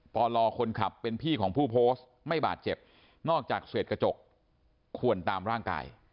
ปลคนขับเป็นพี่ของผู้โพสต์ไม่บาดเจ็บนอกจากเศษกระจกขวนตามร่างกาย